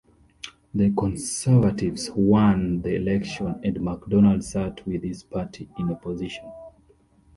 The Conservatives won the election, and McDonald sat with his party in opposition.